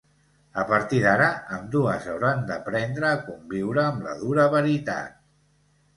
A partir d'ara, ambdues hauran d'aprendre a conviure amb la dura veritat.